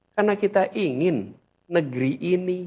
karena kita ingin negeri ini